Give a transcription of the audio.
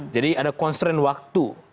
jadi ada konstren waktu